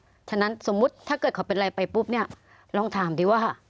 เพราะฉะนั้นสมมุติถ้าเกิดเขาเป็นอะไรไปปุ๊บเนี่ยลองถามดีว่า